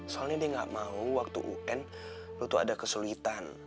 soalnya dia nggak mau waktu un lo tuh ada kesulitan